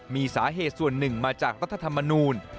มีสาเหตุส่วนหนึ่งมาจากรัฐธรรมนูล